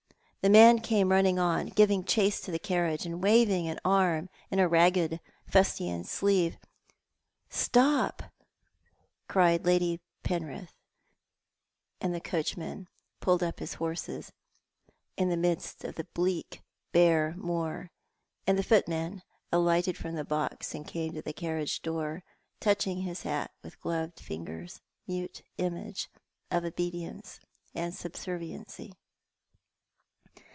The man came running on, giving chase to the carriage, and wavin?; an arm in a ragged fustian sleeve. "Stop," cried Lady Penrith, and the coachman pulled up his hor es, in the midst of the bleik, bare moor, and the footman alighted from the box and came to the carriage door, touching his hat with gloved fingers, mute image of obedience and subserviency.